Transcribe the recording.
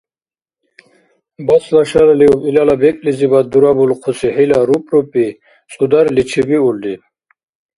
Бацла шалалиуб илала бекӀлизибад дурабулхъуси хӀила рупӀрупӀи цӀударли чебиулри…